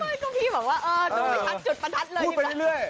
ไม่ก็พี่บอกว่าดูไม่ชัดจุดประทัดเลย